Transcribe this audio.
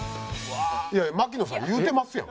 いやいや槙野さん言うてますやん。